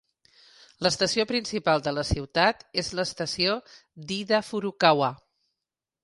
L'estació principal de la ciutat és l'estació d'Hida-Furukawa.